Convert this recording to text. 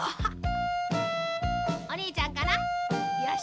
おにいちゃんかな？